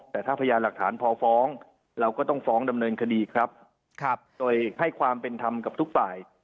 แต่ถ้าพยานหลักฐานพอฟ้องเราก็ต้องฟ้องดำเนินคดีครับโดยให้ความเป็นธรรมกับทุกฝ่าย